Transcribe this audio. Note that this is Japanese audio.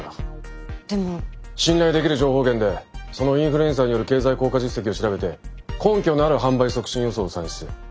信頼できる情報源でそのインフルエンサーによる経済効果実績を調べて根拠のある販売促進予想を算出。